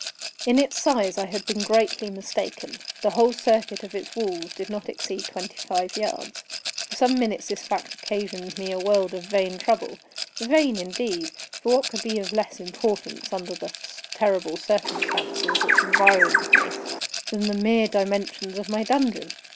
In its size I had been greatly mistaken. The whole circuit of its walls did not exceed twenty five yards. For some minutes this fact occasioned me a world of vain trouble; vain indeed! for what could be of less importance, under the terrible circumstances which environed me, then the mere dimensions of my dungeon?